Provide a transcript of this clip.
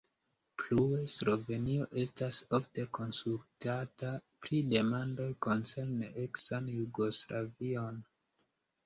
Plue, Slovenio estas ofte konsultata pri demandoj koncerne eksan Jugoslavion.